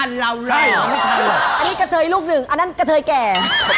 ไปแล้ว